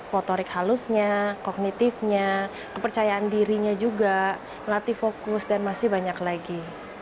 motorik halusnya kognitifnya kepercayaan dirinya juga melatih fokus dan masih banyak lagi